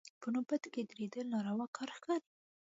په نوبت کې درېدل ناروا کار ښکاري.